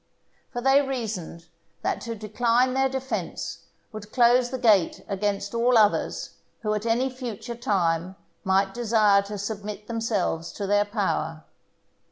For they reasoned that to decline their defence would close the gate against all others who at any future time might desire to submit themselves to their power.